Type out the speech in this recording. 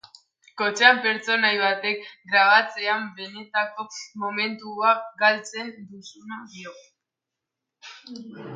Kotxean, pertsonaia batek, grabatzean benetako momentua galtzen duzula dio.